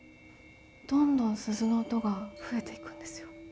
どんどん鈴の音が増えていくんですよ。